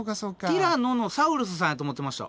ティラノのサウルスさんやと思ってました。